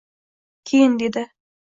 Keyin dedi: